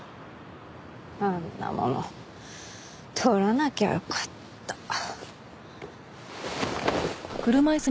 あんなもの盗らなきゃよかった。